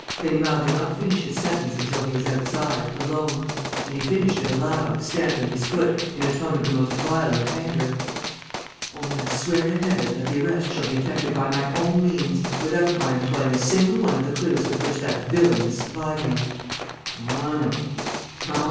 Ganimard did not finish his sentence until he was outside, alone. And he finished it aloud, stamping his foot, in a tone of the most violent anger: "Only, I swear to Heaven that the arrest shall be effected by my own means, without my employing a single one of the clues with which that villain has supplied me. Ah, no!